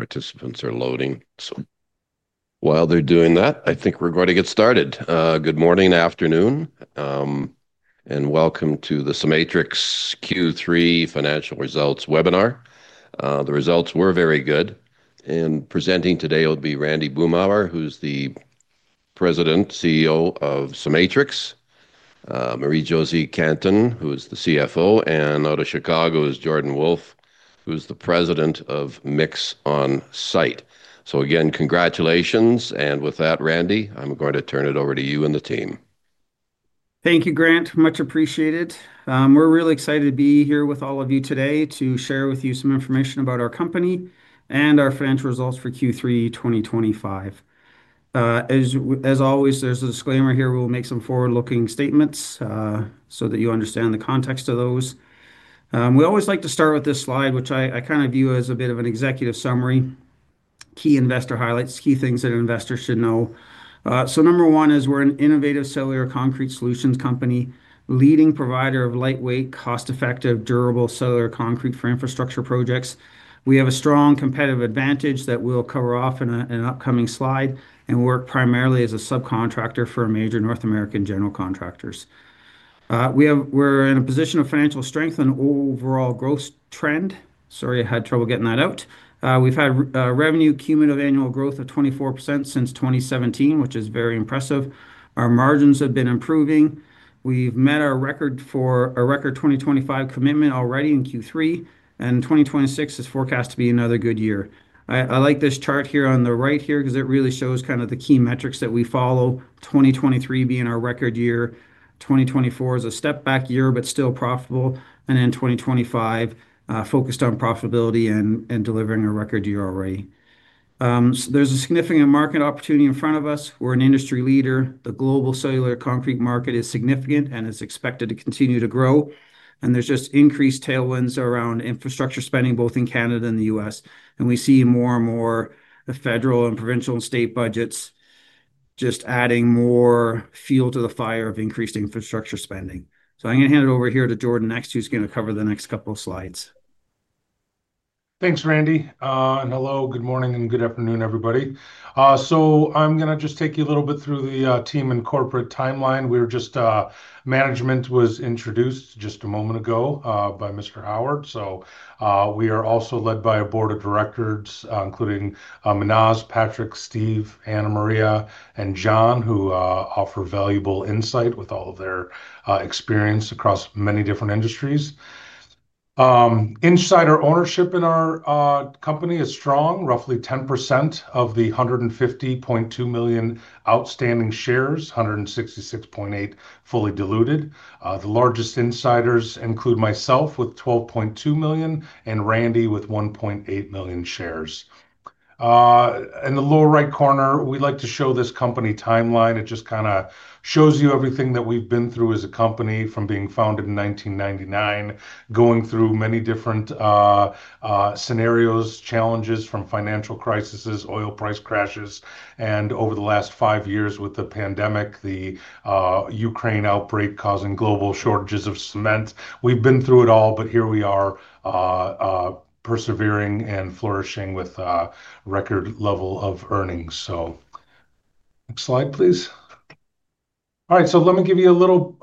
Participants are loading. While they're doing that, I think we're going to get started. Good morning and afternoon. Welcome to the CEMATRIX Q3 Financial Results Webinar. The results were very good. Presenting today will be Randy Boomhour, who's the President, CEO of CEMATRIX, Marie-Josée Cantin, who is the CFO, and out of Chicago is Jordan Wolfe, who's the president of MixOnSite. Again, congratulations. With that, Randy, I'm going to turn it over to you and the team. Thank you, Grant. Much appreciated. We're really excited to be here with all of you today to share with you some information about our company and our financial results for Q3 2025. As always, there's a disclaimer here. We'll make some forward-looking statements. So that you understand the context of those. We always like to start with this slide, which I kind of view as a bit of an executive summary. Key investor highlights, key things that investors should know. So number one is we're an innovative cellular concrete solutions company, leading provider of lightweight, cost-effective, durable cellular concrete for infrastructure projects. We have a strong competitive advantage that we'll cover off in an upcoming slide and work primarily as a subcontractor for major North American general contractors. We're in a position of financial strength and overall growth trend. Sorry, I had trouble getting that out. We've had revenue cumulative annual growth of 24% since 2017, which is very impressive. Our margins have been improving. We've met our record 2025 commitment already in Q3, and 2026 is forecast to be another good year. I like this chart here on the right here because it really shows kind of the key metrics that we follow, 2023 being our record year. 2024 is a step back year, but still profitable. 2025, focused on profitability and delivering a record year already. There's a significant market opportunity in front of us. We're an industry leader. The global cellular concrete market is significant and is expected to continue to grow. There's just increased tailwinds around infrastructure spending, both in Canada and the U.S. We see more and more federal and provincial and state budgets just adding more fuel to the fire of increased infrastructure spending. I'm going to hand it over here to Jordan next, who's going to cover the next couple of slides. Thanks, Randy. Hello, good morning and good afternoon, everybody. I'm going to just take you a little bit through the team and corporate timeline. Management was introduced just a moment ago by Mr. Howard. We are also led by a board of directors, including Minaz, Patrick, Steve, Anna Marie, and John, who offer valuable insight with all of their experience across many different industries. Insider ownership in our company is strong, roughly 10% of the 150.2 million outstanding shares, 166.8 million fully diluted. The largest insiders include myself with 12.2 million and Randy with 1.8 million shares. In the lower right corner, we like to show this company timeline. It just kind of shows you everything that we've been through as a company from being founded in 1999, going through many different. Scenarios, challenges from financial crises, oil price crashes, and over the last five years with the pandemic, the Ukraine outbreak causing global shortages of cement. We've been through it all, but here we are, persevering and flourishing with record level of earnings. Next slide, please. All right. Let me give you a little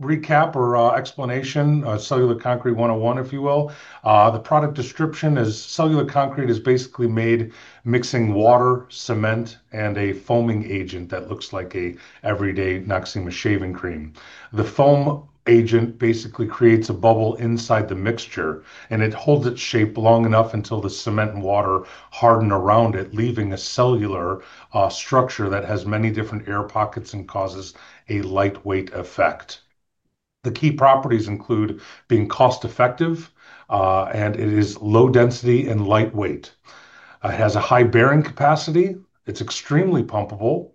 recap or explanation, cellular concrete 101, if you will. The product description is cellular concrete is basically made mixing water, cement, and a foaming agent that looks like an everyday Maxima shaving cream. The foaming agent basically creates a bubble inside the mixture, and it holds its shape long enough until the cement and water harden around it, leaving a cellular structure that has many different air pockets and causes a lightweight effect. The key properties include being cost-effective. It is low-density and lightweight. It has a high bearing capacity. It's extremely pumpable.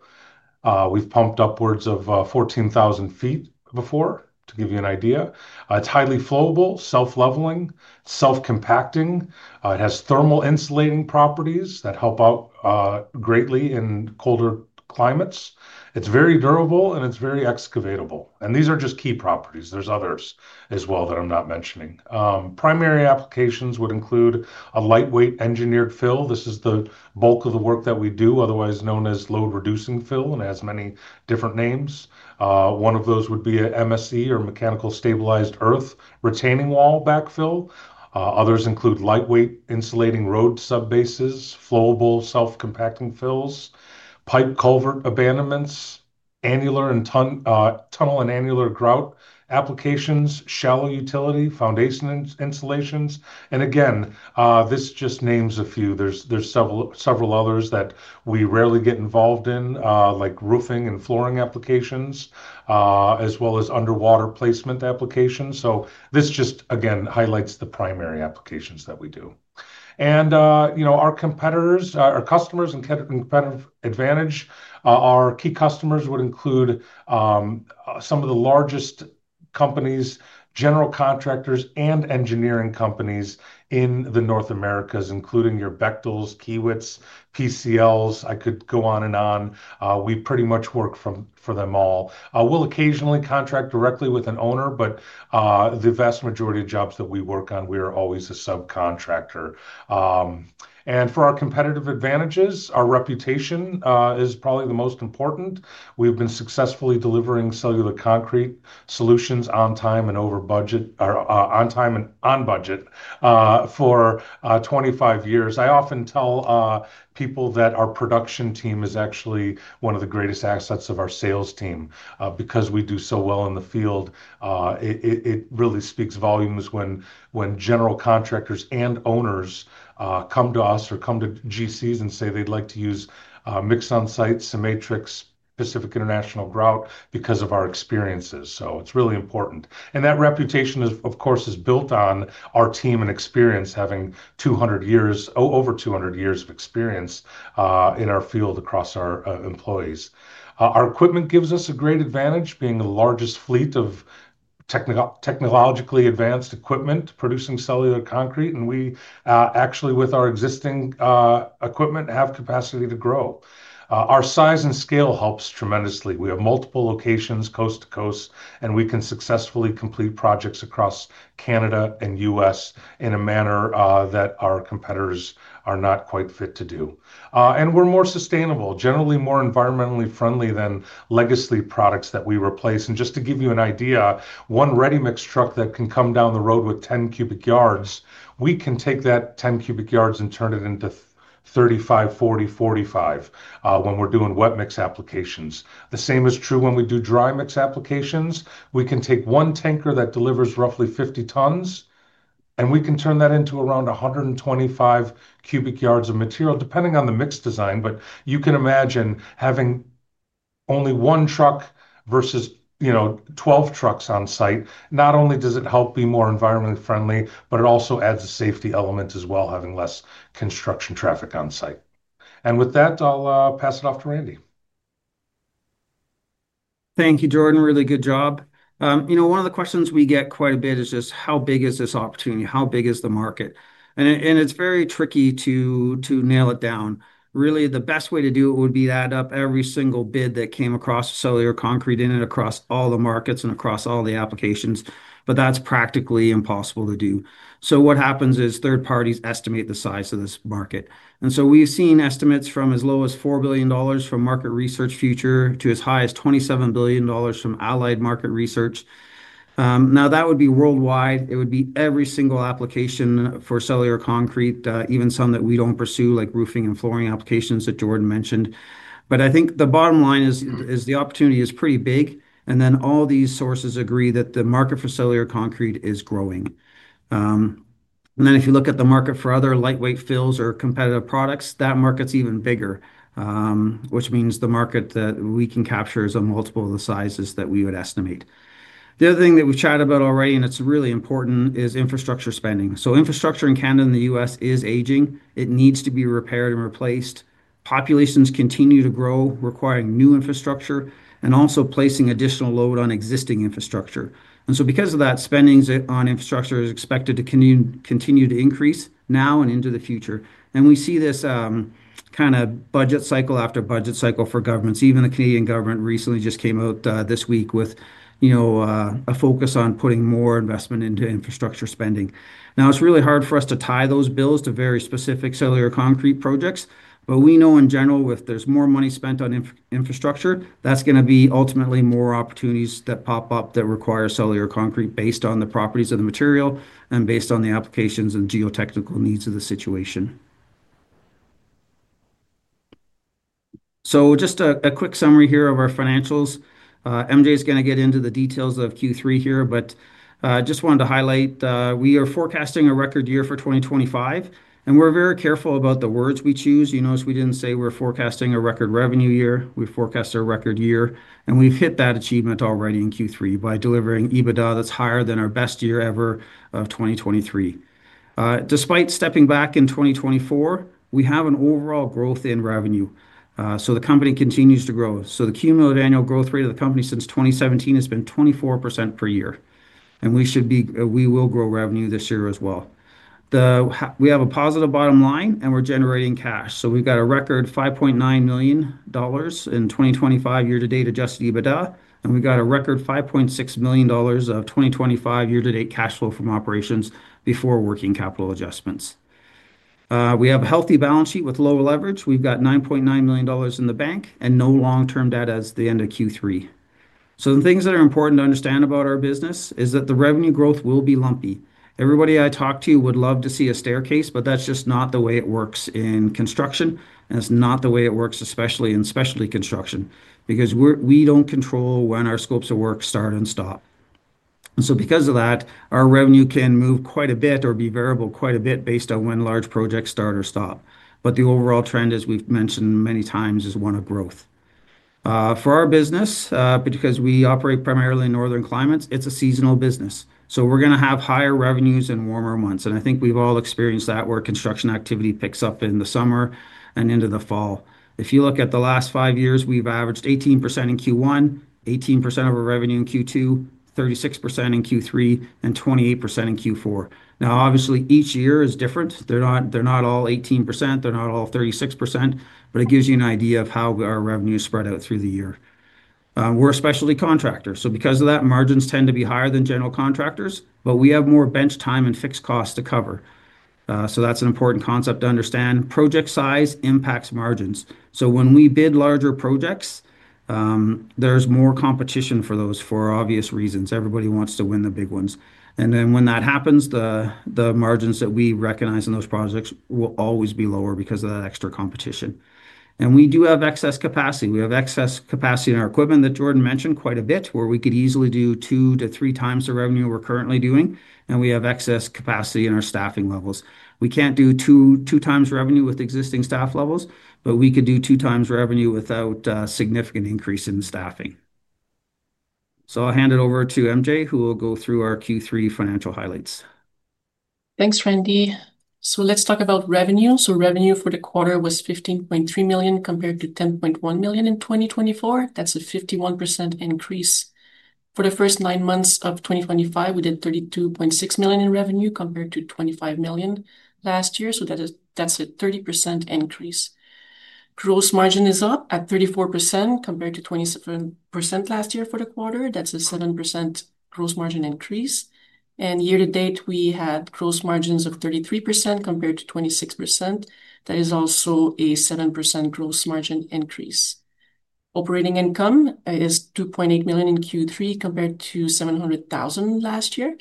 We've pumped upwards of 14,000 ft before, to give you an idea. It's highly flowable, self-leveling, self-compacting. It has thermal insulating properties that help out greatly in colder climates. It's very durable, and it's very excavatable. These are just key properties. There are others as well that I'm not mentioning. Primary applications would include a lightweight engineered fill. This is the bulk of the work that we do, otherwise known as load-reducing fill, and has many different names. One of those would be an MSE, or mechanically stabilized earth retaining wall backfill. Others include lightweight insulating road subbases, flowable self-compacting fills, pipe culvert abandonments, tunnel and annular grout applications, shallow utility, foundation insulations. Again, this just names a few. There are several others that we rarely get involved in, like roofing and flooring applications, as well as underwater placement applications. This just, again, highlights the primary applications that we do. Our competitors, our customers, and competitive advantage, our key customers would include some of the largest companies, general contractors, and engineering companies in North America, including your Bechtels, Kiewit, PCL's. I could go on and on. We pretty much work for them all. We'll occasionally contract directly with an owner, but the vast majority of jobs that we work on, we are always a subcontractor. For our competitive advantages, our reputation is probably the most important. We've been successfully delivering cellular concrete solutions on time and on budget for 25 years. I often tell people that our production team is actually one of the greatest assets of our sales team because we do so well in the field. It really speaks volumes when general contractors and owners come to us or come to GCs and say they'd like to use MixOnSite, CEMATRIX, Pacific International Grout because of our experiences. It is really important. That reputation, of course, is built on our team and experience, having over 200 years of experience in our field across our employees. Our equipment gives us a great advantage, being the largest fleet of technologically advanced equipment producing cellular concrete. We actually, with our existing equipment, have capacity to grow. Our size and scale helps tremendously. We have multiple locations, coast to coast, and we can successfully complete projects across Canada and U.S. in a manner that our competitors are not quite fit to do. We are more sustainable, generally more environmentally friendly than legacy products that we replace. Just to give you an idea, one ready-mix truck that can come down the road with 10 cubic yards, we can take that 10 cubic yards and turn it into 35-40-45 when we're doing wet-mix applications. The same is true when we do dry-mix applications. We can take one tanker that delivers roughly 50 tons, and we can turn that into around 125 cubic yards of material, depending on the mix design. You can imagine having only one truck versus 12 trucks on site. Not only does it help be more environmentally friendly, it also adds a safety element as well, having less construction traffic on site. With that, I'll pass it off to Randy. Thank you, Jordan. Really good job. One of the questions we get quite a bit is just, how big is this opportunity? How big is the market? It's very tricky to nail it down. Really, the best way to do it would be to add up every single bid that came across cellular concrete in and across all the markets and across all the applications. That's practically impossible to do. What happens is third parties estimate the size of this market. We've seen estimates from as low as $4 billion from Market Research Future to as high as $27 billion from Allied Market Research. That would be worldwide. It would be every single application for cellular concrete, even some that we don't pursue, like roofing and flooring applications that Jordan mentioned. I think the bottom line is the opportunity is pretty big. All these sources agree that the market for cellular concrete is growing. If you look at the market for other lightweight fills or competitive products, that market is even bigger, which means the market that we can capture is a multiple of the sizes that we would estimate. The other thing that we chatted about already, and it is really important, is infrastructure spending. Infrastructure in Canada and the U.S. is aging. It needs to be repaired and replaced. Populations continue to grow, requiring new infrastructure, and also placing additional load on existing infrastructure. Because of that, spending on infrastructure is expected to continue to increase now and into the future. We see this kind of budget cycle after budget cycle for governments. Even the Canadian government recently just came out this week with a focus on putting more investment into infrastructure spending. Now, it's really hard for us to tie those bills to very specific cellular concrete projects. But we know, in general, if there's more money spent on infrastructure, that's going to be ultimately more opportunities that pop up that require cellular concrete based on the properties of the material and based on the applications and geotechnical needs of the situation. So just a quick summary here of our financials. MJ is going to get into the details of Q3 here, but I just wanted to highlight we are forecasting a record year for 2025. And we're very careful about the words we choose. As we didn't say we're forecasting a record revenue year. We forecast a record year. And we've hit that achievement already in Q3 by delivering EBITDA that's higher than our best year ever of 2023. Despite stepping back in 2024, we have an overall growth in revenue. The company continues to grow. The cumulative annual growth rate of the company since 2017 has been 24% per year. We will grow revenue this year as well. We have a positive bottom line, and we're generating cash. We've got a record $5.9 million in 2025 year-to-date adjusted EBITDA. We've got a record $5.6 million of 2025 year-to-date cash flow from operations before working capital adjustments. We have a healthy balance sheet with low leverage. We've got $9.9 million in the bank and no long-term debt as of the end of Q3. The things that are important to understand about our business is that the revenue growth will be lumpy. Everybody I talk to would love to see a staircase, but that's just not the way it works in construction. It is not the way it works, especially in specialty construction, because we do not control when our scopes of work start and stop. Because of that, our revenue can move quite a bit or be variable quite a bit based on when large projects start or stop. The overall trend, as we have mentioned many times, is one of growth. For our business, because we operate primarily in northern climates, it is a seasonal business. We are going to have higher revenues in warmer months. I think we have all experienced that where construction activity picks up in the summer and into the fall. If you look at the last five years, we have averaged 18% in Q1, 18% of our revenue in Q2, 36% in Q3, and 28% in Q4. Obviously, each year is different. They are not all 18%. They are not all 36%. It gives you an idea of how our revenue is spread out through the year. We're a specialty contractor. Because of that, margins tend to be higher than general contractors, but we have more bench time and fixed costs to cover. That's an important concept to understand. Project size impacts margins. When we bid larger projects, there's more competition for those for obvious reasons. Everybody wants to win the big ones. When that happens, the margins that we recognize in those projects will always be lower because of that extra competition. We do have excess capacity. We have excess capacity in our equipment that Jordan mentioned quite a bit, where we could easily do two to three times the revenue we're currently doing. We have excess capacity in our staffing levels. We can't do two times revenue with existing staff levels, but we could do two times revenue without a significant increase in staffing. So I'll hand it over to MJ, who will go through our Q3 financial highlights. Thanks, Randy. Let's talk about revenue. Revenue for the quarter was $15.3 million compared to $10.1 million in 2024. That's a 51% increase. For the first nine months of 2025, we did $32.6 million in revenue compared to $25 million last year. That's a 30% increase. Gross margin is up at 34% compared to 27% last year for the quarter. That's a 7% gross margin increase. Year-to-date, we had gross margins of 33% compared to 26%. That is also a 7% gross margin increase. Operating income is $2.8 million in Q3 compared to $700,000 last year.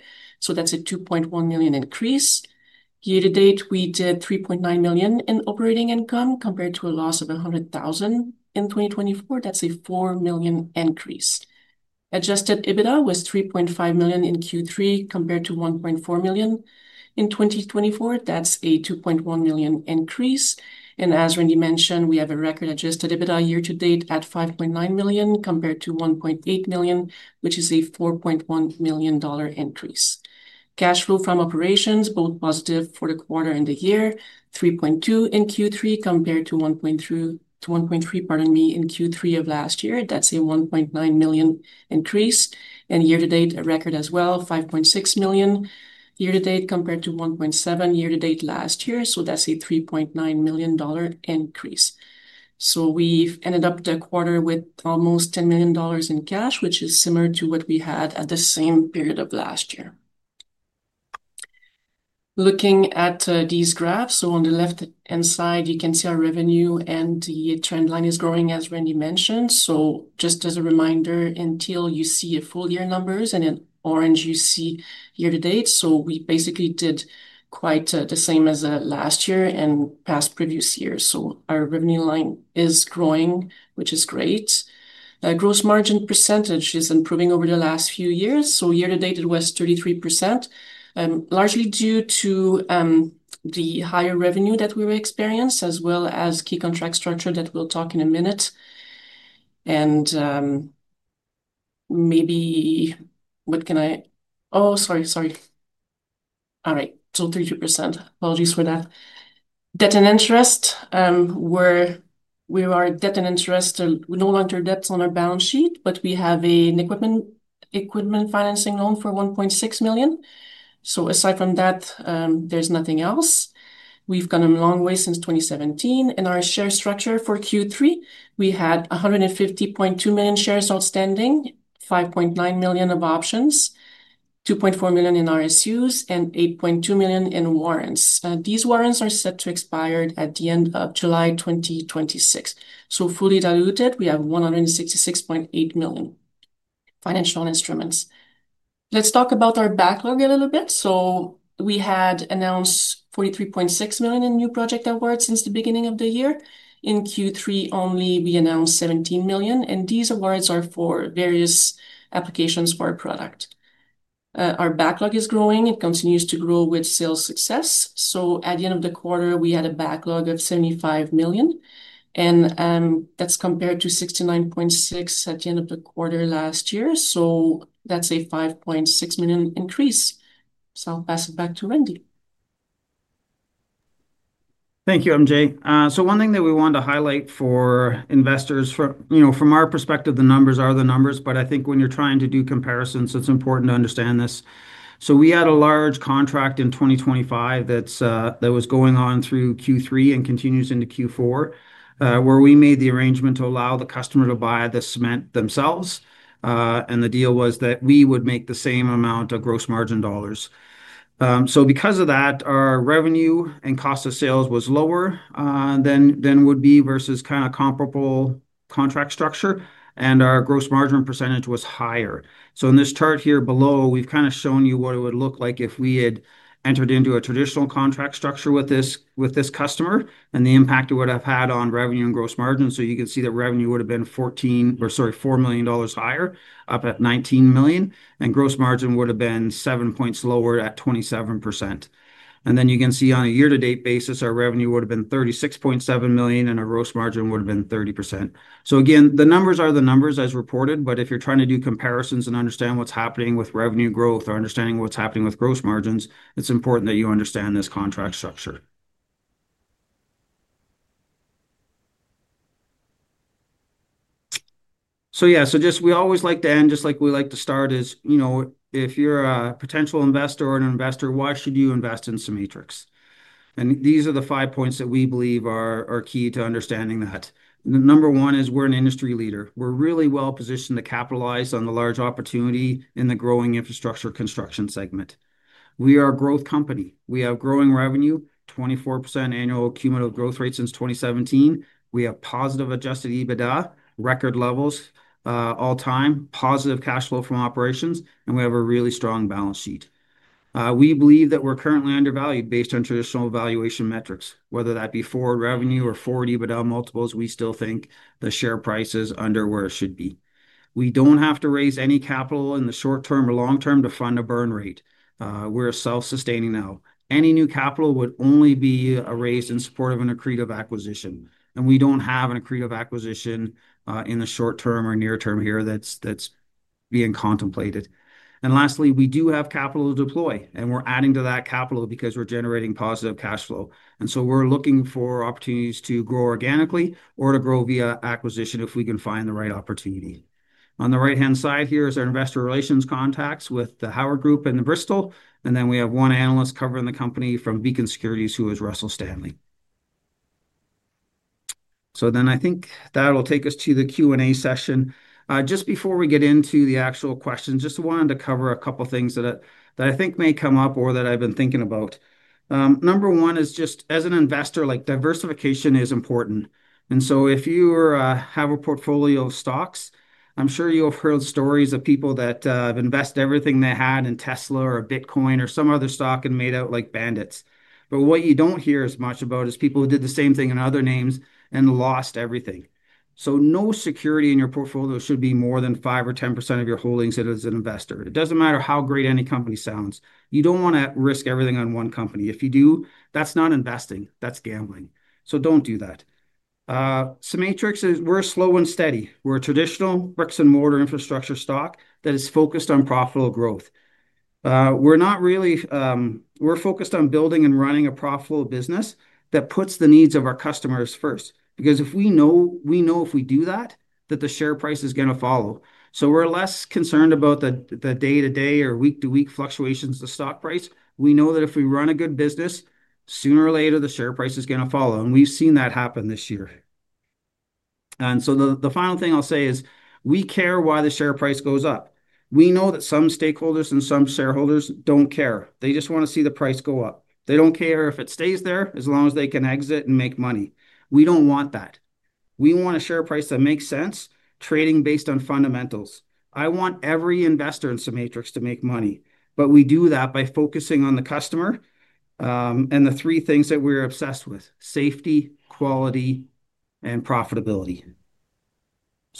That's a $2.1 million increase. Year-to-date, we did $3.9 million in operating income compared to a loss of $100,000 in 2024. That's a $4 million increase. Adjusted EBITDA was $3.5 million in Q3 compared to $1.4 million in 2024. That's a $2.1 million increase. As Randy mentioned, we have a record-adjusted EBITDA year-to-date at $5.9 million compared to $1.8 million, which is a $4.1 million increase. Cash flow from operations, both positive for the quarter and the year, $3.2 million in Q3 compared to $1.3 million, pardon me, in Q3 of last year. That is a $1.9 million increase. Year-to-date, a record as well, $5.6 million year-to-date compared to $1.7 million year-to-date last year. That is a $3.9 million increase. We ended up the quarter with almost $10 million in cash, which is similar to what we had at the same period of last year. Looking at these graphs, on the left-hand side, you can see our revenue and the trend line is growing, as Randy mentioned. Just as a reminder, until you see a full year numbers, and in orange, you see year-to-date. We basically did quite the same as last year and past previous years. Our revenue line is growing, which is great. Gross margin percentage is improving over the last few years. Year-to-date, it was 33%. Largely due to the higher revenue that we were experiencing, as well as key contract structure that we'll talk in a minute. Maybe. What can I—oh, sorry, sorry. All right. Total 32%. Apologies for that. Debt and interest. We are debt and interest. We no longer have debts on our balance sheet, but we have an equipment financing loan for $1.6 million. Aside from that, there's nothing else. We've come a long way since 2017. In our share structure for Q3, we had 150.2 million shares outstanding, 5.9 million of options, 2.4 million in RSUs, and 8.2 million in warrants. These warrants are set to expire at the end of July 2026. So fully diluted, we have 166.8 million. Financial instruments. Let's talk about our backlog a little bit. So we had announced $43.6 million in new project awards since the beginning of the year. In Q3 only, we announced $17 million. And these awards are for various applications for our product. Our backlog is growing. It continues to grow with sales success. So at the end of the quarter, we had a backlog of $75 million. And that's compared to $69.6 million at the end of the quarter last year. So that's a $5.6 million increase. So I'll pass it back to Randy. Thank you, MJ. One thing that we want to highlight for investors, from our perspective, the numbers are the numbers, but I think when you're trying to do comparisons, it's important to understand this. We had a large contract in 2025 that was going on through Q3 and continues into Q4, where we made the arrangement to allow the customer to buy the cement themselves. The deal was that we would make the same amount of gross margin dollars. Because of that, our revenue and cost of sales was lower than would be versus kind of comparable contract structure, and our gross margin percentage was higher. In this chart here below, we've kind of shown you what it would look like if we had entered into a traditional contract structure with this customer and the impact it would have had on revenue and gross margin. You can see that revenue would have been $4 million higher, up at $19 million. Gross margin would have been 7 percentage points lower at 27%. You can see on a year-to-date basis, our revenue would have been $36.7 million and our gross margin would have been 30%. Again, the numbers are the numbers as reported. If you're trying to do comparisons and understand what's happening with revenue growth or understanding what's happening with gross margins, it's important that you understand this contract structure. We always like to end just like we like to start, you know, if you're a potential investor or an investor, why should you invest in CEMATRIX? These are the five points that we believe are key to understanding that. Number one is we're an industry leader. We're really well positioned to capitalize on the large opportunity in the growing infrastructure construction segment. We are a growth company. We have growing revenue, 24% annual cumulative growth rate since 2017. We have positive adjusted EBITDA, record levels, all-time, positive cash flow from operations, and we have a really strong balance sheet. We believe that we're currently undervalued based on traditional valuation metrics. Whether that be forward revenue or forward EBITDA multiples, we still think the share price is under where it should be. We don't have to raise any capital in the short term or long term to fund a burn rate. We're self-sustaining now. Any new capital would only be raised in support of an accretive acquisition. We don't have an accretive acquisition in the short term or near term here that's being contemplated. Lastly, we do have capital to deploy. We're adding to that capital because we're generating positive cash flow. We're looking for opportunities to grow organically or to grow via acquisition if we can find the right opportunity. On the right-hand side here is our investor relations contacts with the Howard Group and the Bristol. We have one analyst covering the company from Beacon Securities, who is Russell Stanley. I think that'll take us to the Q&A session. Just before we get into the actual questions, I just wanted to cover a couple of things that I think may come up or that I've been thinking about. Number one is just, as an investor, diversification is important. If you have a portfolio of stocks, I'm sure you've heard stories of people that have invested everything they had in Tesla or Bitcoin or some other stock and made out like bandits. What you do not hear as much about is people who did the same thing in other names and lost everything. No security in your portfolio should be more than 5% or 10% of your holdings as an investor. It does not matter how great any company sounds. You do not want to risk everything on one company. If you do, that is not investing. That is gambling. Do not do that. CEMATRIX, we are slow and steady. We are a traditional bricks-and-mortar infrastructure stock that is focused on profitable growth. We are not really, we are focused on building and running a profitable business that puts the needs of our customers first. Because we know, we know if we do that, the share price is going to follow. We are less concerned about the day-to-day or week-to-week fluctuations of the stock price. We know that if we run a good business. Sooner or later, the share price is going to follow. We have seen that happen this year. The final thing I will say is we care why the share price goes up. We know that some stakeholders and some shareholders do not care. They just want to see the price go up. They do not care if it stays there as long as they can exit and make money. We do not want that. We want a share price that makes sense, trading based on fundamentals. I want every investor in CEMATRIX to make money. We do that by focusing on the customer. The three things that we are obsessed with: safety, quality, and profitability.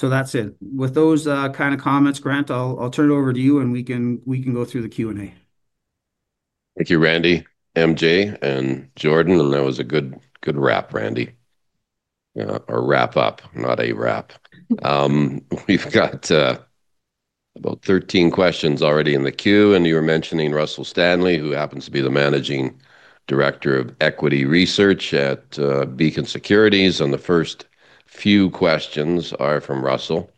That is it. With those kind of comments, Grant, I will turn it over to you, and we can go through the Q&A. Thank you, Randy, MJ, and Jordan. That was a good wrap, Randy. Or wrap up, not a wrap. We have about 13 questions already in the queue. You were mentioning Russell Stanley, who happens to be the Managing Director of Equity Research at Beacon Securities. The first few questions are from Russell.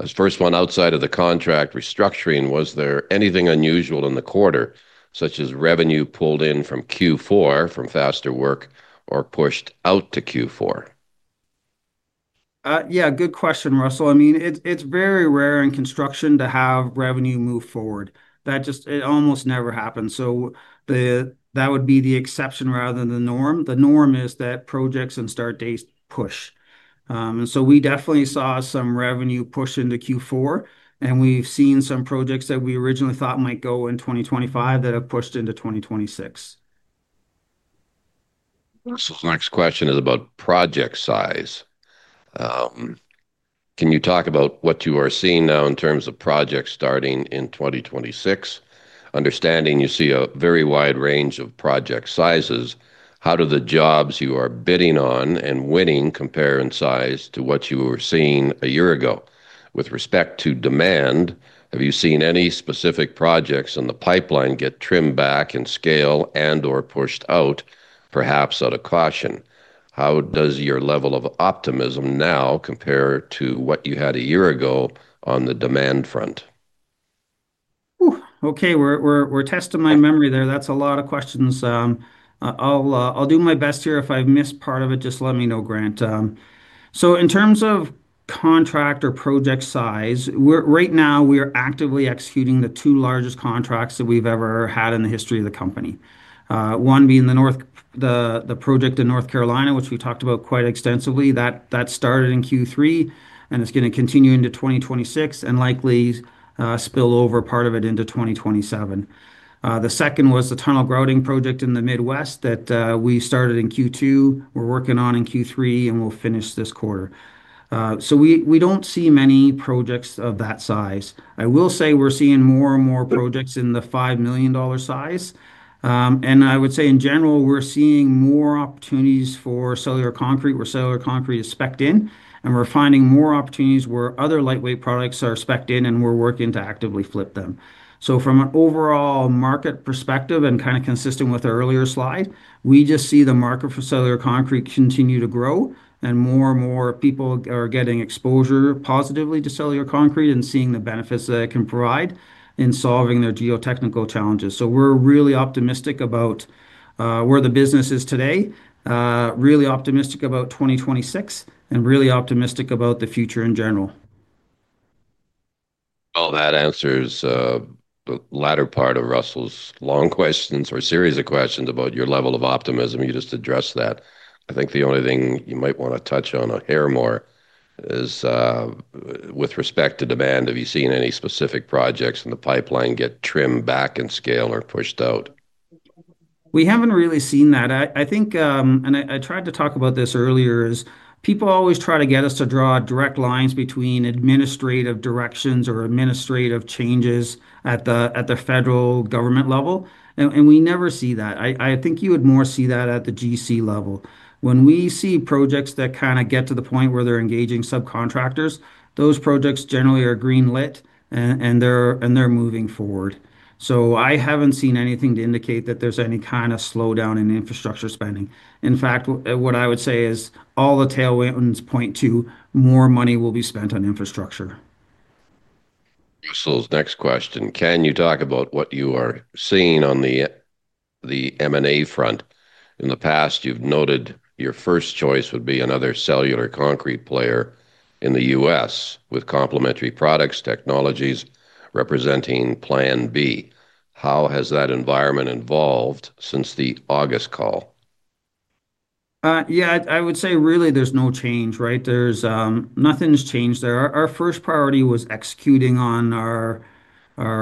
His first one, outside of the contract restructuring, was there anything unusual in the quarter, such as revenue pulled in from Q4 from faster work or pushed out to Q4? Yeah, good question, Russell. I mean, it's very rare in construction to have revenue move forward. That just, it almost never happens. That would be the exception rather than the norm. The norm is that projects and start dates push. We definitely saw some revenue push into Q4. We've seen some projects that we originally thought might go in 2025 that have pushed into 2026. Russell, the next question is about project size. Can you talk about what you are seeing now in terms of projects starting in 2026? Understanding you see a very wide range of project sizes, how do the jobs you are bidding on and winning compare in size to what you were seeing a year ago? With respect to demand, have you seen any specific projects in the pipeline get trimmed back in scale and/or pushed out, perhaps out of caution? How does your level of optimism now compare to what you had a year ago on the demand front? Ooh, okay. We're testing my memory there. That's a lot of questions. I'll do my best here. If I've missed part of it, just let me know, Grant. In terms of contract or project size, right now, we are actively executing the two largest contracts that we've ever had in the history of the company. One being the project in North Carolina, which we talked about quite extensively. That started in Q3 and is going to continue into 2026 and likely spill over part of it into 2027. The second was the tunnel grouting project in the Midwest that we started in Q2, we're working on in Q3, and we'll finish this quarter. We do not see many projects of that size. I will say we're seeing more and more projects in the $5 million size. I would say, in general, we're seeing more opportunities for cellular concrete where cellular concrete is specced in. We're finding more opportunities where other lightweight products are specced in, and we're working to actively flip them. From an overall market perspective and kind of consistent with our earlier slide, we just see the market for cellular concrete continue to grow. More and more people are getting exposure positively to cellular concrete and seeing the benefits that it can provide in solving their geotechnical challenges. We're really optimistic about where the business is today, really optimistic about 2026, and really optimistic about the future in general. That answers the latter part of Russell's long questions or series of questions about your level of optimism. You just addressed that. I think the only thing you might want to touch on a hair more is, with respect to demand, have you seen any specific projects in the pipeline get trimmed back in scale or pushed out? We haven't really seen that. I think, and I tried to talk about this earlier, is people always try to get us to draw direct lines between administrative directions or administrative changes at the federal government level. We never see that. I think you would more see that at the GC level. When we see projects that kind of get to the point where they're engaging subcontractors, those projects generally are green-lit, and they're moving forward. I haven't seen anything to indicate that there's any kind of slowdown in infrastructure spending. In fact, what I would say is all the tailwinds point to more money will be spent on infrastructure. Russell's next question, can you talk about what you are seeing on the M&A front? In the past, you've noted your first choice would be another cellular concrete player in the US with complementary products, technologies representing Plan B. How has that environment evolved since the August call? Yeah, I would say really there's no change, right? Nothing's changed there. Our first priority was executing on our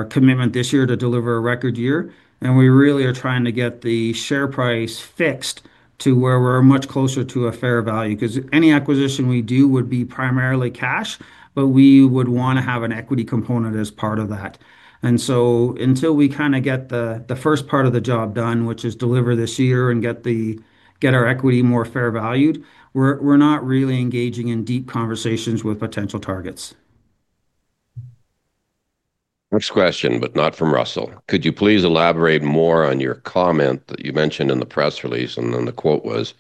commitment this year to deliver a record year. We really are trying to get the share price fixed to where we're much closer to a fair value. Any acquisition we do would be primarily cash, but we would want to have an equity component as part of that. Until we kind of get the first part of the job done, which is deliver this year and get our equity more fair valued, we're not really engaging in deep conversations with potential targets. Next question, but not from Russell. Could you please elaborate more on your comment that you mentioned in the press release? The quote was,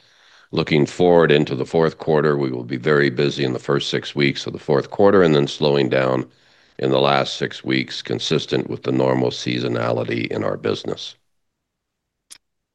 "Looking forward into the fourth quarter, we will be very busy in the first six weeks of the fourth quarter and then slowing down in the last six weeks, consistent with the normal seasonality in our business."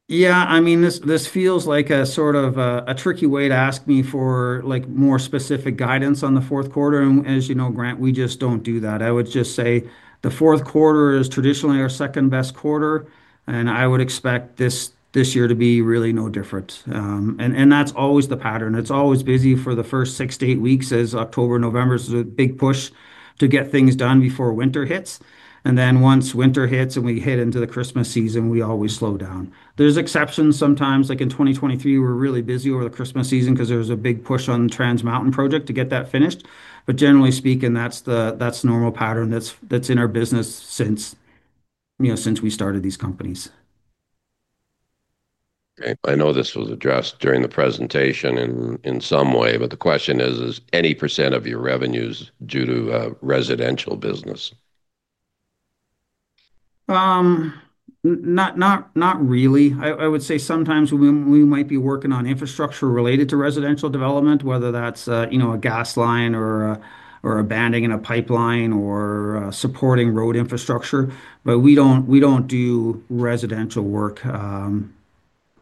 Yeah, I mean, this feels like a sort of a tricky way to ask me for more specific guidance on the fourth quarter. As you know, Grant, we just do not do that. I would just say the fourth quarter is traditionally our second best quarter. I would expect this year to be really no different. That is always the pattern. It is always busy for the first six to eight weeks, as October and November is a big push to get things done before winter hits. Once winter hits and we hit into the Christmas season, we always slow down. There are exceptions sometimes. Like in 2023, we were really busy over the Christmas season because there was a big push on the Trans Mountain project to get that finished. Generally speaking, that is the normal pattern that is in our business since we started these companies. Okay. I know this was addressed during the presentation in some way, but the question is, is any % of your revenues due to residential business? Not really. I would say sometimes we might be working on infrastructure related to residential development, whether that's a gas line or a banding in a pipeline or supporting road infrastructure. We don't do residential work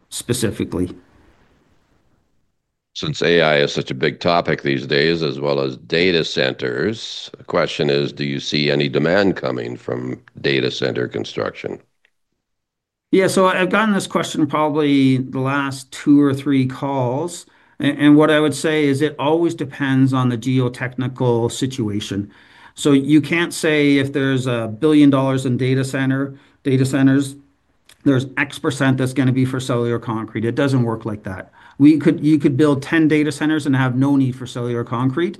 specifically. Since AI is such a big topic these days, as well as data centers, the question is, do you see any demand coming from data center construction? Yeah, so I've gotten this question probably the last two or three calls. What I would say is it always depends on the geotechnical situation. You can't say if there's a billion dollars in data centers, there's x percent that's going to be for cellular concrete. It doesn't work like that. You could build 10 data centers and have no need for cellular concrete.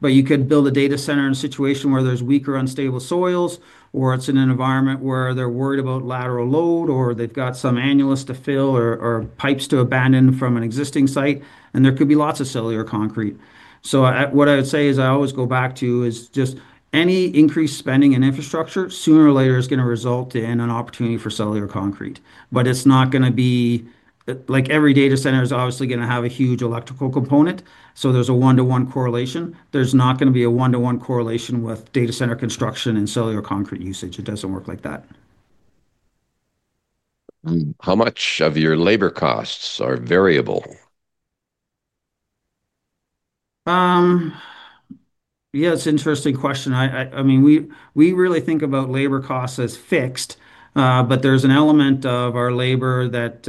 You could build a data center in a situation where there's weak or unstable soils, or it's in an environment where they're worried about lateral load, or they've got some annuals to fill or pipes to abandon from an existing site. There could be lots of cellular concrete. What I would say is I always go back to is just any increased spending in infrastructure sooner or later is going to result in an opportunity for cellular concrete. It's not going to be like every data center is obviously going to have a huge electrical component. So there's a one-to-one correlation. There's not going to be a one-to-one correlation with data center construction and cellular concrete usage. It doesn't work like that. How much of your labor costs are variable? Yeah, it's an interesting question. I mean, we really think about labor costs as fixed. But there's an element of our labor that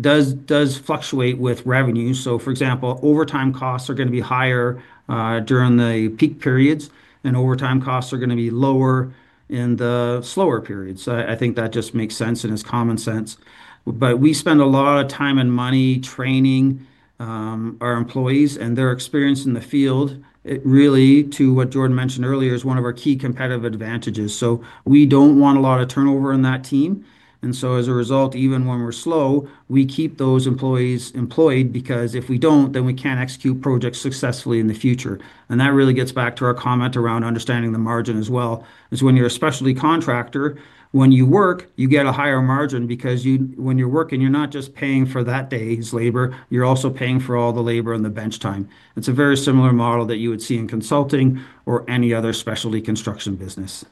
does fluctuate with revenue. For example, overtime costs are going to be higher during the peak periods, and overtime costs are going to be lower in the slower periods. I think that just makes sense and is common sense. We spend a lot of time and money training our employees, and their experience in the field, really, to what Jordan mentioned earlier, is one of our key competitive advantages. We don't want a lot of turnover in that team. As a result, even when we're slow, we keep those employees employed because if we don't, then we can't execute projects successfully in the future. That really gets back to our comment around understanding the margin as well. It's when you're a specialty contractor, when you work, you get a higher margin because when you're working, you're not just paying for that day's labor. You're also paying for all the labor and the bench time. It's a very similar model that you would see in consulting or any other specialty construction business.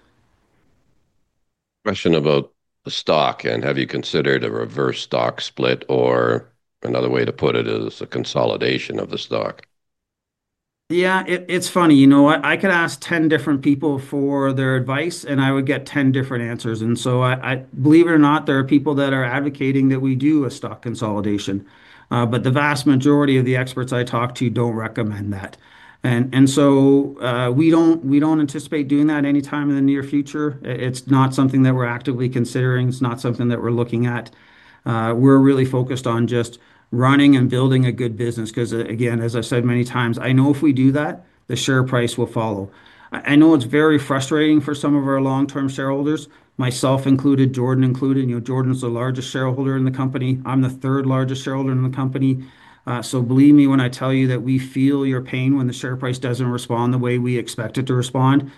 Question about the stock. Have you considered a reverse stock split? Or another way to put it is a consolidation of the stock? Yeah, it's funny. You know, I could ask 10 different people for their advice, and I would get 10 different answers. I believe it or not, there are people that are advocating that we do a stock consolidation. The vast majority of the experts I talk to don't recommend that. We don't anticipate doing that anytime in the near future. It's not something that we're actively considering. It's not something that we're looking at. We're really focused on just running and building a good business. Because again, as I said many times, I know if we do that, the share price will follow. I know it's very frustrating for some of our long-term shareholders, myself included, Jordan included. Jordan's the largest shareholder in the company. I'm the third largest shareholder in the company. Believe me when I tell you that we feel your pain when the share price does not respond the way we expect it to respond.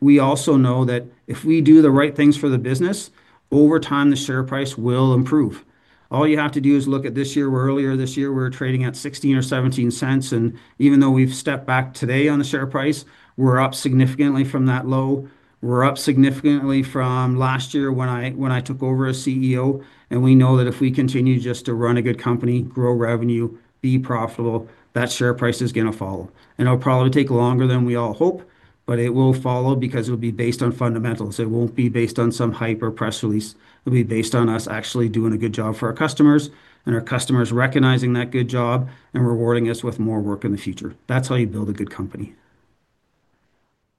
We also know that if we do the right things for the business, over time, the share price will improve. All you have to do is look at this year. Earlier this year, we were trading at $0.16 or $0.17. Even though we have stepped back today on the share price, we are up significantly from that low. We are up significantly from last year when I took over as CEO. We know that if we continue just to run a good company, grow revenue, be profitable, that share price is going to follow. It will probably take longer than we all hope, but it will follow because it will be based on fundamentals. It will not be based on some hyper press release. It'll be based on us actually doing a good job for our customers and our customers recognizing that good job and rewarding us with more work in the future. That's how you build a good company.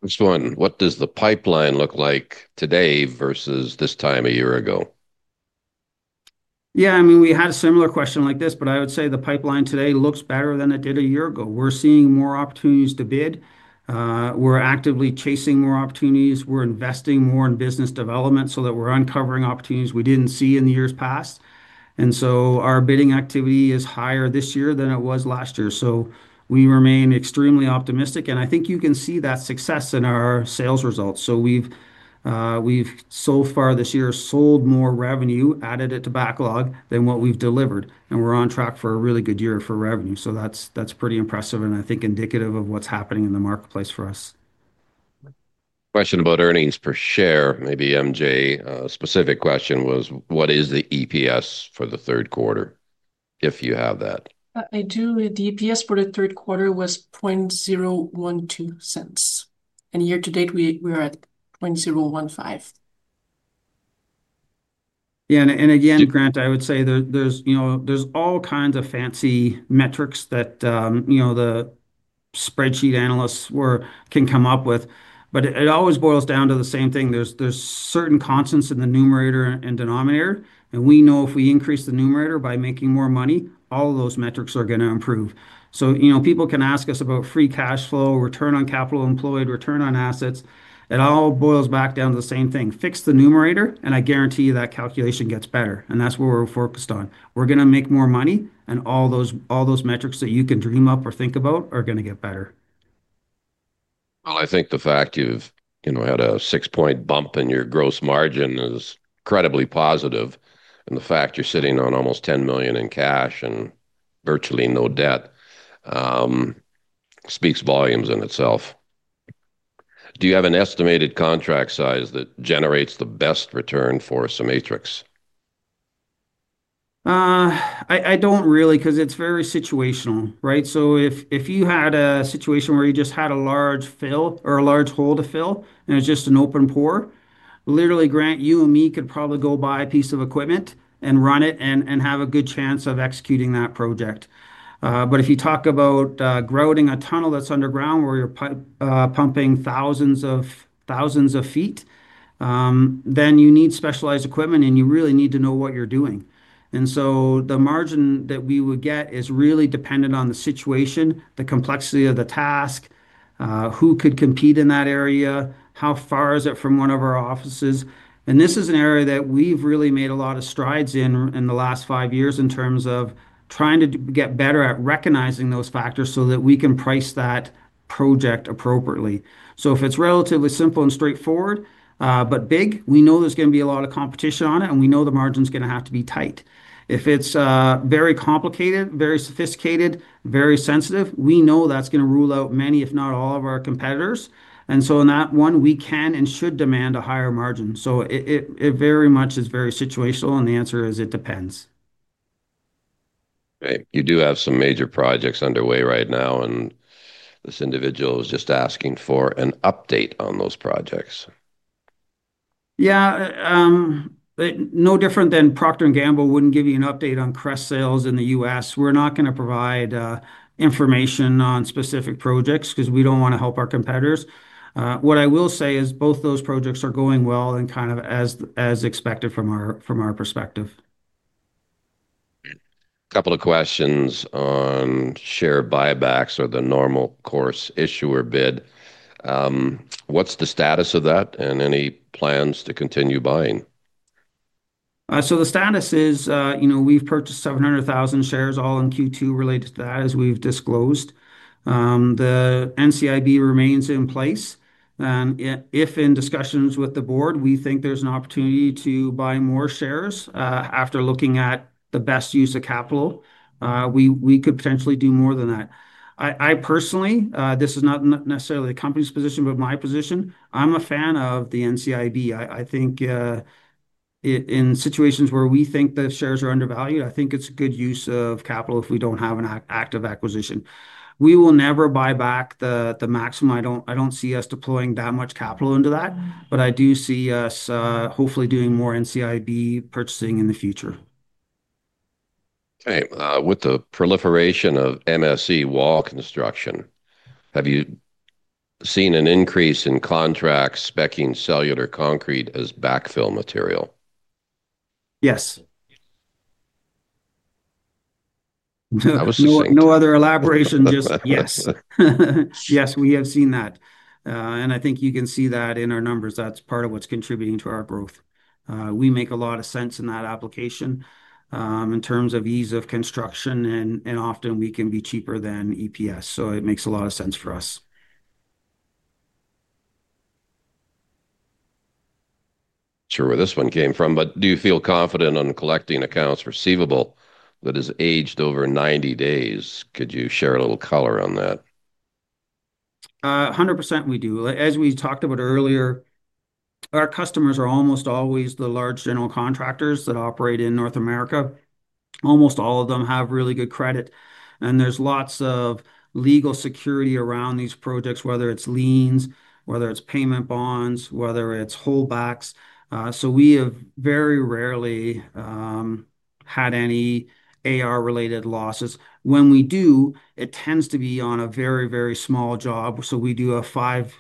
What does the pipeline look like today versus this time a year ago? Yeah, I mean, we had a similar question like this, but I would say the pipeline today looks better than it did a year ago. We're seeing more opportunities to bid. We're actively chasing more opportunities. We're investing more in business development so that we're uncovering opportunities we didn't see in the years past. Our bidding activity is higher this year than it was last year. We remain extremely optimistic. I think you can see that success in our sales results. We've so far this year sold more revenue, added it to backlog than what we've delivered. We're on track for a really good year for revenue. That's pretty impressive and I think indicative of what's happening in the marketplace for us. Question about earnings per share. Maybe MJ, a specific question was, what is the EPS for the third quarter if you have that? I do. The EPS for the third quarter was $0.012. And year to date, we are at $0.015. Yeah. Again, Grant, I would say there's all kinds of fancy metrics that the spreadsheet analysts can come up with. It always boils down to the same thing. There are certain constants in the numerator and denominator. We know if we increase the numerator by making more money, all of those metrics are going to improve. People can ask us about free cash flow, return on capital employed, return on assets. It all boils back down to the same thing. Fix the numerator, and I guarantee you that calculation gets better. That is what we're focused on. We're going to make more money, and all those metrics that you can dream up or think about are going to get better. I think the fact you've had a six-point bump in your gross margin is incredibly positive. The fact you're sitting on almost $10 million in cash and virtually no debt speaks volumes in itself. Do you have an estimated contract size that generates the best return for CEMATRIX? I do not really, because it is very situational, right? If you had a situation where you just had a large fill or a large hole to fill, and it is just an open pour, literally, Grant, you and me could probably go buy a piece of equipment and run it and have a good chance of executing that project. If you talk about grouting a tunnel that is underground where you are pumping thousands of feet, then you need specialized equipment, and you really need to know what you are doing. The margin that we would get is really dependent on the situation, the complexity of the task, who could compete in that area, how far it is from one of our offices. This is an area that we've really made a lot of strides in over the last five years in terms of trying to get better at recognizing those factors so that we can price that project appropriately. If it's relatively simple and straightforward, but big, we know there's going to be a lot of competition on it, and we know the margin's going to have to be tight. If it's very complicated, very sophisticated, very sensitive, we know that's going to rule out many, if not all, of our competitors. In that one, we can and should demand a higher margin. It very much is situational. The answer is it depends. Okay. You do have some major projects underway right now. This individual is just asking for an update on those projects. Yeah. No different than Procter and Gamble would not give you an update on Crest sales in the U.S. We are not going to provide information on specific projects because we do not want to help our competitors. What I will say is both those projects are going well and kind of as expected from our perspective. A couple of questions on share buybacks or the normal course issuer bid. What's the status of that and any plans to continue buying? The status is we've purchased 700,000 shares, all in Q2 related to that, as we've disclosed. The NCIB remains in place. If in discussions with the board, we think there's an opportunity to buy more shares after looking at the best use of capital, we could potentially do more than that. I personally, this is not necessarily the company's position, but my position, I'm a fan of the NCIB. I think in situations where we think the shares are undervalued, I think it's a good use of capital if we don't have an active acquisition. We will never buy back the maximum. I don't see us deploying that much capital into that. I do see us hopefully doing more NCIB purchasing in the future. Okay. With the proliferation of MSE wall construction, have you seen an increase in contracts speccing cellular concrete as backfill material? Yes. That was. No other elaboration. Just yes. Yes, we have seen that. I think you can see that in our numbers. That is part of what is contributing to our growth. We make a lot of sense in that application. In terms of ease of construction, and often we can be cheaper than EPS. It makes a lot of sense for us. Sure where this one came from, but do you feel confident on collecting accounts receivable that is aged over 90 days? Could you share a little color on that? 100% we do. As we talked about earlier, our customers are almost always the large general contractors that operate in North America. Almost all of them have really good credit. There is lots of legal security around these projects, whether it is liens, whether it is payment bonds, whether it is holdbacks. We have very rarely had any AR-related losses. When we do, it tends to be on a very, very small job. We do a five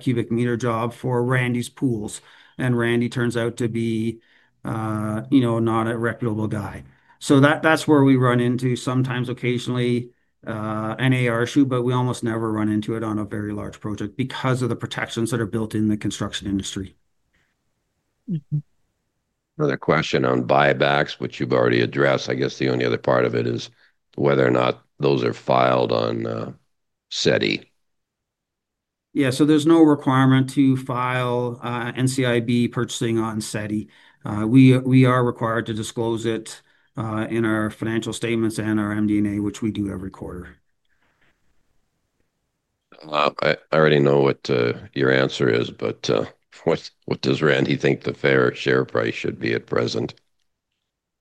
cubic meter job for Randy's Pools, and Randy turns out to be not a reputable guy. That is where we run into sometimes, occasionally, an AR issue, but we almost never run into it on a very large project because of the protections that are built in the construction industry. Another question on buybacks, which you've already addressed. I guess the only other part of it is whether or not those are filed on CETI. Yeah. There is no requirement to file NCIB purchasing on CETI. We are required to disclose it in our financial statements and our MD&A, which we do every quarter. I already know what your answer is, but what does Randy think the fair share price should be at present?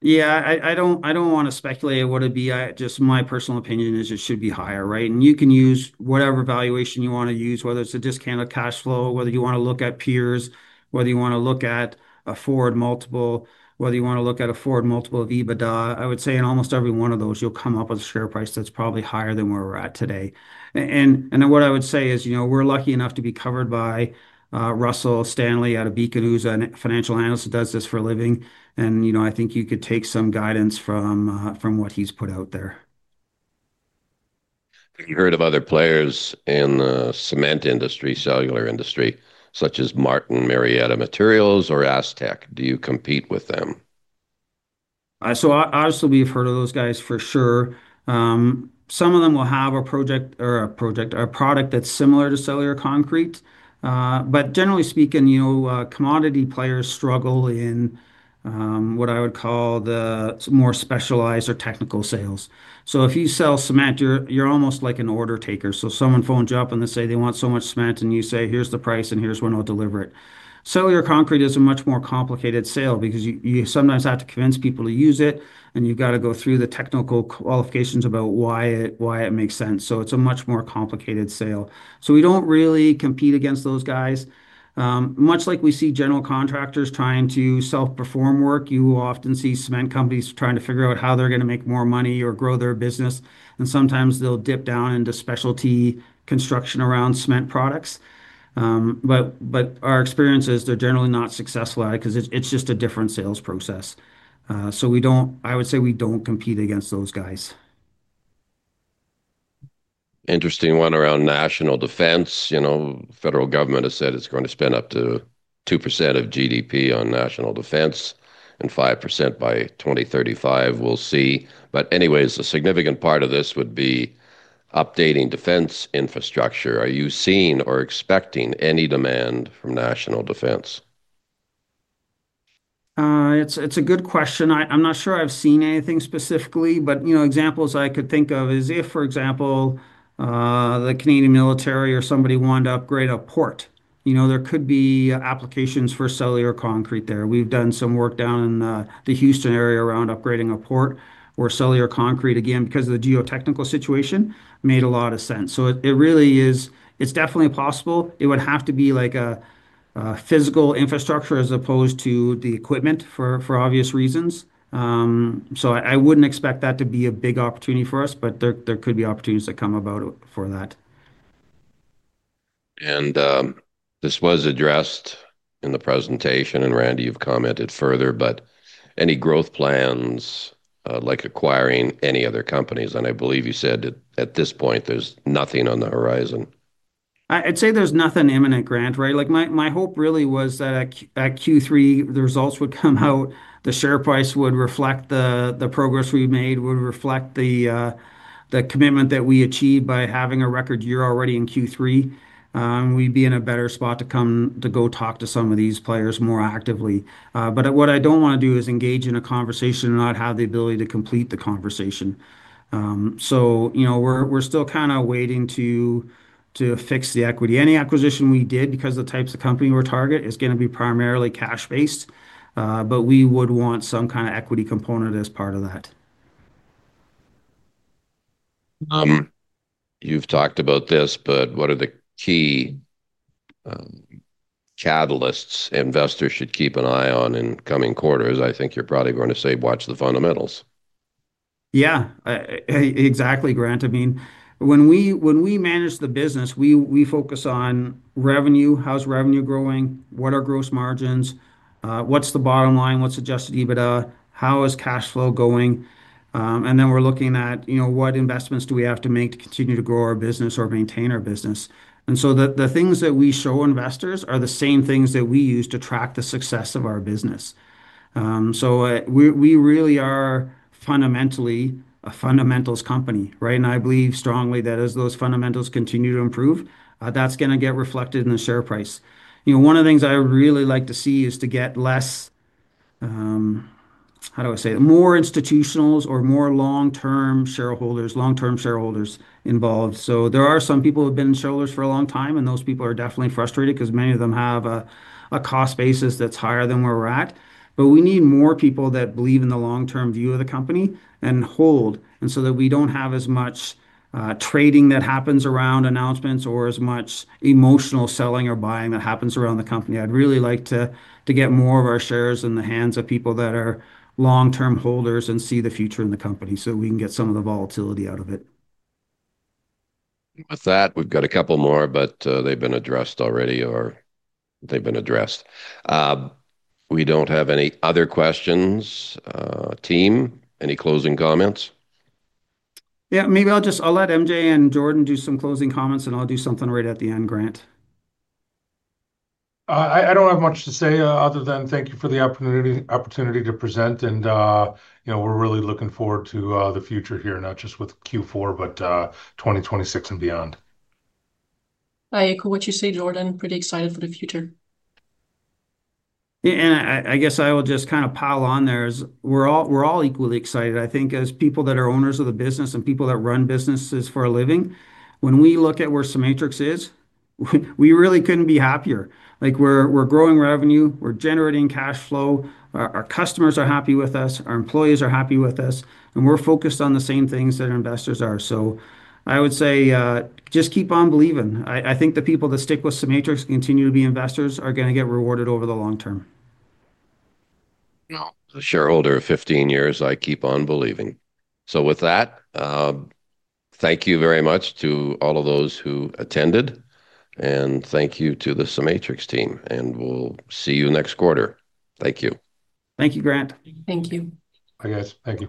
Yeah. I don't want to speculate what it'd be. Just my personal opinion is it should be higher, right? You can use whatever valuation you want to use, whether it's a discounted cash flow, whether you want to look at peers, whether you want to look at a forward multiple, whether you want to look at a forward multiple of EBITDA. I would say in almost every one of those, you'll come up with a share price that's probably higher than where we're at today. What I would say is we're lucky enough to be covered by Russell Stanley out of Beacon who's a financial analyst who does this for a living. I think you could take some guidance from what he's put out there. Have you heard of other players in the cement industry, cellular industry, such as Martin Marietta Materials or Aztec? Do you compete with them? Obviously, we've heard of those guys for sure. Some of them will have a project or a product that's similar to cellular concrete. Generally speaking, commodity players struggle in what I would call the more specialized or technical sales. If you sell cement, you're almost like an order taker. Someone phones you up and they say they want so much cement, and you say, "Here's the price, and here's when I'll deliver it." Cellular concrete is a much more complicated sale because you sometimes have to convince people to use it, and you've got to go through the technical qualifications about why it makes sense. It's a much more complicated sale. We don't really compete against those guys. Much like we see general contractors trying to self-perform work, you will often see cement companies trying to figure out how they're going to make more money or grow their business. Sometimes they'll dip down into specialty construction around cement products. Our experience is they're generally not successful at it because it's just a different sales process. I would say we don't compete against those guys. Interesting one around national defense. The federal government has said it's going to spend up to 2% of GDP on national defense and 5% by 2035. We'll see. Anyways, a significant part of this would be updating defense infrastructure. Are you seeing or expecting any demand from national defense? It's a good question. I'm not sure I've seen anything specifically, but examples I could think of is if, for example, the Canadian military or somebody wanted to upgrade a port, there could be applications for cellular concrete there. We've done some work down in the Houston area around upgrading a port where cellular concrete, again, because of the geotechnical situation, made a lot of sense. It really is, it's definitely possible. It would have to be like a physical infrastructure as opposed to the equipment for obvious reasons. I wouldn't expect that to be a big opportunity for us, but there could be opportunities that come about for that. This was addressed in the presentation, and Randy, you've commented further, but any growth plans. Like acquiring any other companies? I believe you said at this point there's nothing on the horizon. I'd say there's nothing imminent, Grant, right? My hope really was that at Q3, the results would come out. The share price would reflect the progress we've made, would reflect the commitment that we achieved by having a record year already in Q3. We'd be in a better spot to go talk to some of these players more actively. What I don't want to do is engage in a conversation and not have the ability to complete the conversation. We're still kind of waiting to fix the equity. Any acquisition we did, because the types of company we're targeting, is going to be primarily cash-based, but we would want some kind of equity component as part of that. You've talked about this, but what are the key catalysts investors should keep an eye on in coming quarters? I think you're probably going to say watch the fundamentals. Yeah. Exactly, Grant. I mean, when we manage the business, we focus on revenue, how's revenue growing, what are gross margins, what's the bottom line, what's adjusted EBITDA, how is cash flow going. Then we're looking at what investments do we have to make to continue to grow our business or maintain our business. The things that we show investors are the same things that we use to track the success of our business. We really are fundamentally a fundamentals company, right? I believe strongly that as those fundamentals continue to improve, that's going to get reflected in the share price. One of the things I would really like to see is to get less, how do I say it, more institutionals or more long-term shareholders involved. There are some people who have been in shareholders for a long time, and those people are definitely frustrated because many of them have a cost basis that's higher than where we're at. We need more people that believe in the long-term view of the company and hold, so that we don't have as much trading that happens around announcements or as much emotional selling or buying that happens around the company. I'd really like to get more of our shares in the hands of people that are long-term holders and see the future in the company so we can get some of the volatility out of it. With that, we've got a couple more, but they've been addressed already or they've been addressed. We don't have any other questions. Team, any closing comments? Yeah. Maybe I'll just, I'll let MJ and Jordan do some closing comments, and I'll do something right at the end, Grant. I don't have much to say other than thank you for the opportunity to present. We're really looking forward to the future here, not just with Q4, but 2026 and beyond. I echo what you say, Jordan. Pretty excited for the future. I guess I will just kind of pile on there is we're all equally excited. I think as people that are owners of the business and people that run businesses for a living, when we look at where CEMATRIX is, we really couldn't be happier. We're growing revenue. We're generating cash flow. Our customers are happy with us. Our employees are happy with us. We're focused on the same things that our investors are. I would say just keep on believing. I think the people that stick with CEMATRIX and continue to be investors are going to get rewarded over the long term. As a shareholder of 15 years, I keep on believing. With that, thank you very much to all of those who attended. Thank you to the CEMATRIX team. We will see you next quarter. Thank you. Thank you, Grant. Thank you. I guess. Thank you.